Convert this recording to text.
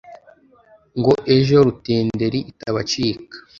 ngo ejo rutenderi itabacika